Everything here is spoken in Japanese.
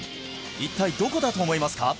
一体どこだと思いますか？